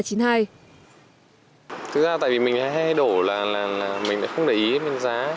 thực ra tại vì mình hay đổ là mình lại không để ý mình giá